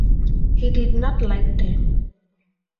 He did not like them.